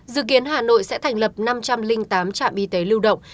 dự kiến hà nội sẽ thành lập năm trăm linh tám trạm y tế lưu động